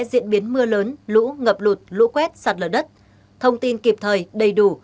diễn biến mưa lớn lũ ngập lụt lũ quét sạt lở đất thông tin kịp thời đầy đủ